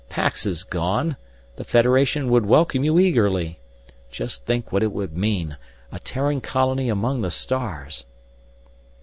Pax is gone; the Federation would welcome you eagerly. Just think what it would mean a Terran colony among the stars!"